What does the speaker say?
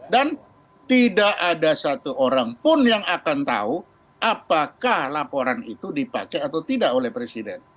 dan tidak ada satu orang pun yang akan tahu apakah laporan itu dipakai atau tidak oleh presiden